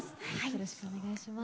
よろしくお願いします。